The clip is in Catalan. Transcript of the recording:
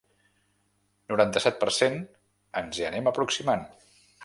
Noranta-set per cent Ens hi anem aproximant.